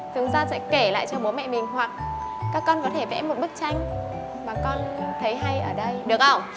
chúng ta sẽ kể lại cho bố mẹ mình hoặc các con có thể vẽ một bức tranh mà con thấy hay ở đây được không